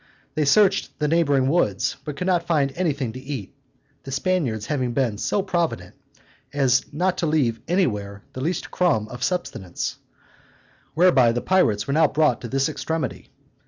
They searched the neighboring woods, but could not find anything to eat, the Spaniards having been so provident, as not to leave anywhere the least crumb of sustenance, whereby the pirates were now brought to this extremity.